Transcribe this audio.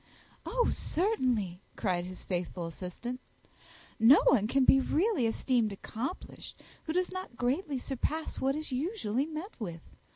"Oh, certainly," cried his faithful assistant, "no one can be really esteemed accomplished who does not greatly surpass what is usually met with.